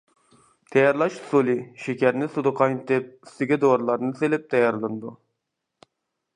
تەييارلاش ئۇسۇلى: شېكەرنى سۇدا قاينىتىپ، ئۈستىگە دورىلارنى سېلىپ تەييارلىنىدۇ.